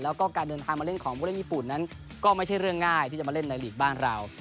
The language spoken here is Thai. แล้วก็การเดินทางมาเล่นของผู้เล่นญี่ปุ่นนั้นก็ไม่ใช่เรื่องง่ายที่จะมาเล่นในหลีกบ้านเรา